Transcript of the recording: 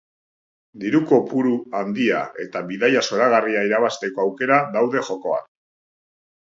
Diru kopuru handia eta bidaia zoragarria irabazteko aukera daude jokoan!